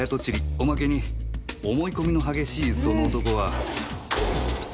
おまけに思い込みの激しいその男は